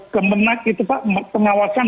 kemenang itu pak pengawasan